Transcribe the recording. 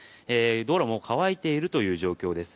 道路も乾いているという状況です。